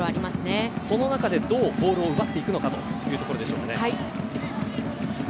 その中で、どうボールを奪っていくかというところでしょうか。